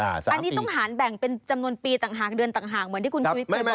อันนี้ต้องหารแบ่งเป็นจำนวนปีต่างหากเดือนต่างหากเหมือนที่คุณชุวิตเคยบอก